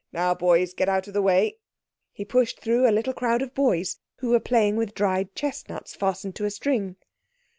"Now, boys, get out of the way." He pushed through a little crowd of boys who were playing with dried chestnuts fastened to a string.